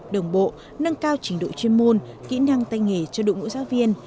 đồng bộ nâng cao trình độ chuyên môn kỹ năng tay nghề cho đội ngũ giáo viên